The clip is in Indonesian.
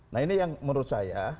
nah ini yang menurut saya